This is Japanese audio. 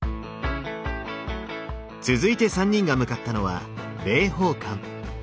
続いて３人が向かったのは霊宝館。